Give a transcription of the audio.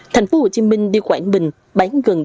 tp hcm đi quảng bình bán gần chín mươi một số vé